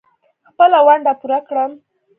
خپله ونډه پوره کړم.